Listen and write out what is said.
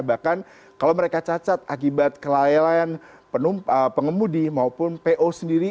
bahkan kalau mereka cacat akibat kelalaian pengemudi maupun po sendiri